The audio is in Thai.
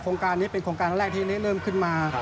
การนี้เป็นโครงการแรกที่เริ่มขึ้นมา